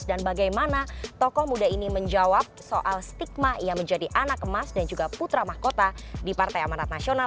dan bagaimana tokoh muda ini menjawab soal stigma yang menjadi anak emas dan juga putra mahkota di partai amanat nasional